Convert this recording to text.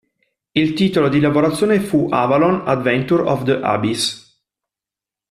Il titolo di lavorazione fu "Avalon, Adventures of the Abyss".